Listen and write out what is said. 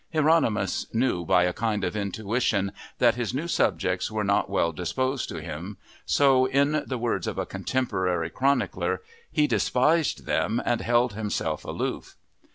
Hieronymus knew by a kind of intuition that his new subjects were not well disposed to him so, in the words of a contemporary chronicler, "he despised them and held himself aloof."